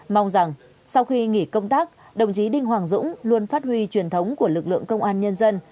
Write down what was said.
mong rằng sau khi nghỉ công tác đồng chí đinh hoàng dũng luôn phát huy truyền thống của lực lượng công an nhân dân